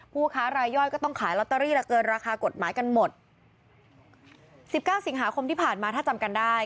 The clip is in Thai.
ผู้ค้ารายย่อยก็ต้องขายลอตเตอรี่ละเกินราคากฎหมายกันหมดสิบเก้าสิงหาคมที่ผ่านมาถ้าจำกันได้